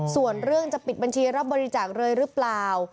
ส่วนเรื่องจะปิดบัญชีรับบริจาคเลยหรือเปล่า